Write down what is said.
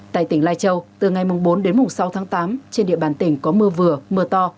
tại tỉnh lai châu từ ngày bốn đến sáu tháng tám trên địa bàn tỉnh có mưa vừa mưa to